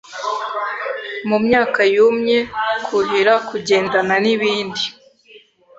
mumyaka yumye. Kuhira kugendana nibindi